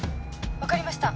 分かりました。